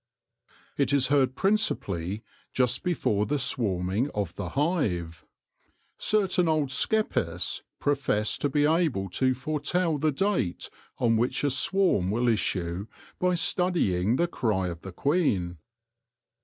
It is heard principally just before the swarming of the hive. Certain old skeppists profess to be able to foretell the date on which a swarm will issue by studying the cry of the queen.